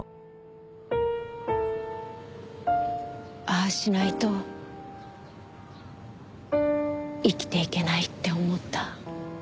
ああしないと生きていけないって思った。